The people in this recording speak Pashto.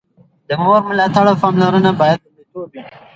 د مور ملاتړ او پاملرنه باید لومړیتوب وي.